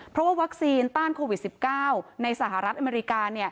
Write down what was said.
เพราะว่าวัคซีนต้านโควิด๑๙ในสหรัฐอเมริกา